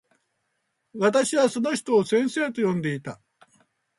私はその人を先生と呼んでいた。